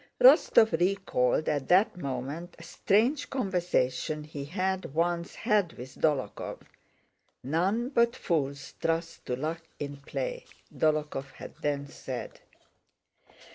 Rostóv recalled at that moment a strange conversation he had once had with Dólokhov. "None but fools trust to luck in play," Dólokhov had then said.